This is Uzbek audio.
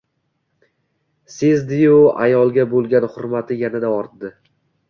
Sezdiyu ayolga bo‘lgan hurmati yanada ortdi